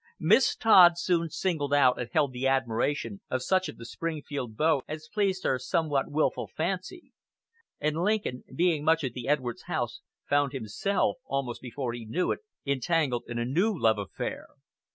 Miss Todd soon singled out and held the admiration of such of the Springfield beaux as pleased her somewhat wilful fancy, and Lincoln, being much at the Edwards house, found himself, almost before he knew it, entangled in a new love affair.